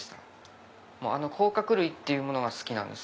甲殻類というものが好きなんです